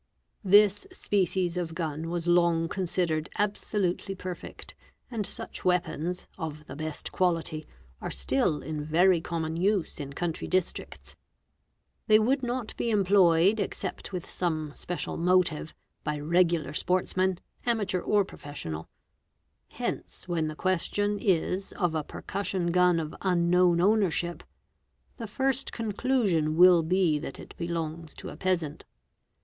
) This species of gun was long considered absolutely perfect and such weapons, of the best quality, are still in very common use in country districts. They would not be employed, except with some special motive, _by regular sportsmen, amateur or professional; hence when the question is of a percussion gun of unknown ownership, the first conclusion will be that it belongs to a peasant.